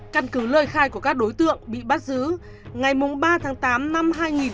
căn cứ lời khai của các đối tượng bị bắt giữ ngày ba tháng tám năm hai nghìn một mươi ba